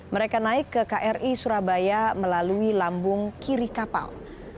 mereka naik ke kri surabaya melalui lambung kiri kapal